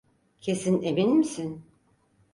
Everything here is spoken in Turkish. Kesin emin misin?